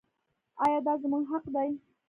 آیا دا زموږ حق دی؟